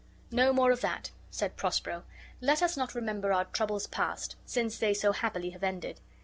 "No more of that," said Prospero: "let us not remember our troubles past, since they so happily have ended."